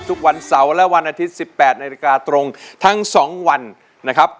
ทุกวันเสาร์และวันอาทิตย์๑๘นาฬิกาตรงทั้ง๒วันนะครับ